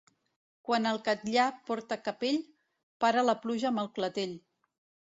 Quan el Catllar porta capell, para la pluja amb el clatell.